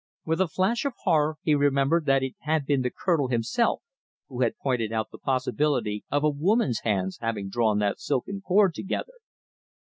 With a flash of horror, he remembered that it had been the Colonel himself who had pointed out the possibility of a woman's hands having drawn that silken cord together!